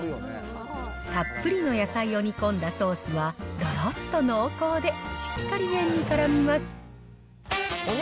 たっぷりの野菜を煮込んだそーすはどろっと濃厚でしっかり麺にからみます。